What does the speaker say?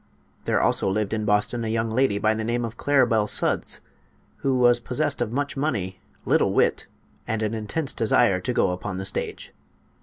There also lived in Boston a young lady by the name of Claribel Sudds, who was possessed of much money, little wit and an intense desire to go upon the stage.